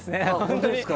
本当ですか。